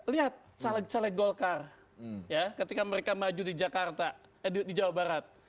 lihat caleg caleg golkar ya ketika mereka maju di jakarta eh di jawa barat